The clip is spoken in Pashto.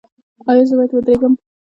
ایا زه باید ودریږم؟